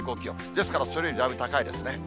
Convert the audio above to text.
ですから、それよりだいぶ高いですね。